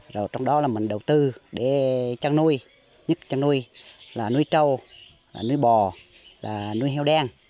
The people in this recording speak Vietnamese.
rồi trong đó là mình đầu tư để chăn nuôi nhất chăn nuôi là nuôi trâu nuôi bò là nuôi heo đen